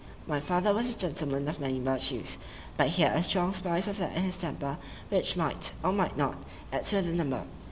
My father was a gentleman of many virtues,—but he had a strong spice of that in his temper, which might, or might not, add to the number.